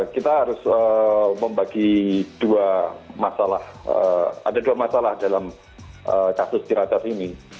kita harus membagi dua masalah ada dua masalah dalam kasus ciracas ini